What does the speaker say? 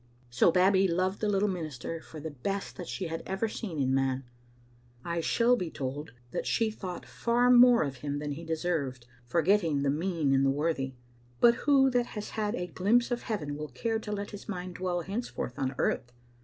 So Babbie loved the little minister for the best that she had ever seen in man. I shall be told that she thought far more of him than he deserved, forgetting the mean in the worthy : but who that has had a glimpse of heaven will care to let his mind dwell henceforth on earth?